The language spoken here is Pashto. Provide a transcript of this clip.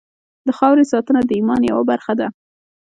د خاورې ساتنه د ایمان یوه برخه ده.